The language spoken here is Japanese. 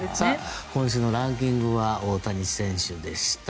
今週のランキングは大谷選手でした。